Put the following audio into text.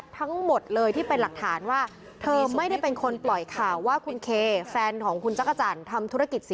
เพราะว่าไม่คิดจริง